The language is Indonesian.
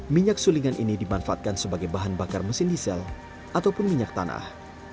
minyak sulingan ini dimanfaatkan sebagai bahan bakar mesin diesel ataupun minyak tanah